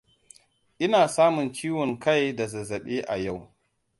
Ina samun ciwon kai da zazzaɓi a yau